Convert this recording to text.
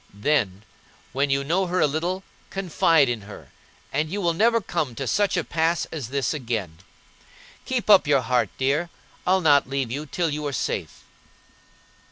Then, when you know her a little, confide in her, and you will never come to such a pass as this again. Keep up your heart, dear; I'll not leave you till you are safe."